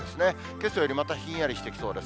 けさよりまたひんやりしてきそうです。